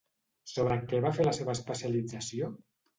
Sobre què va fer la seva especialització?